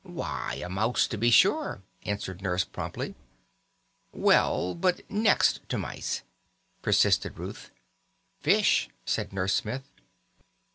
"Why, a mouse to be sure," answered Nurse promptly. "Well, but next to mice?" persisted Ruth. "Fish," said Nurse Smith.